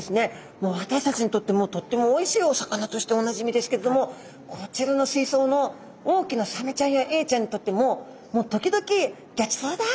もう私たちにとってもとってもおいしいお魚としておなじみですけれどもこちらの水槽の大きなサメちゃんやエイちゃんにとってももう時々ギョちそうだっとですね